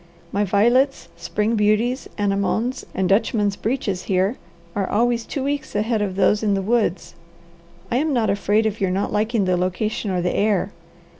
My violets, spring beauties, anemones, and dutchman's breeches here are always two weeks ahead of those in the woods. I am not afraid of your not liking the location or the air.